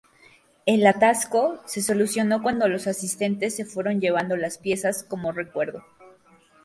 El "atasco" se solucionó cuando los asistentes se fueron llevando las piezas como recuerdo.